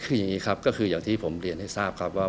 คืออย่างนี้ครับก็คืออย่างที่ผมเรียนให้ทราบครับว่า